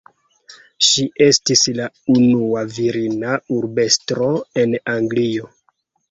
Ŝi estis la unua virina urbestro en Anglio.